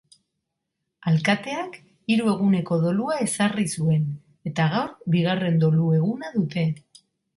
Alkateak hiru eguneko dolua ezarri zuen, eta gaur bigarren dolu eguna dute.